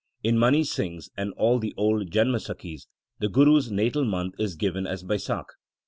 In Mani Singh s and all the old Janamsakhis the Guru s natal month is given as Baisakh.